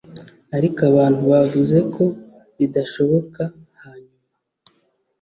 ariko abantu bavuze ko bidashoboka hanyuma